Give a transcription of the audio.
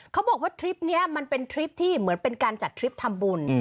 เขาบอกว่าทริปนี้มันเป็นทริปที่เหมือนเป็นการจัดทริปทำบุญ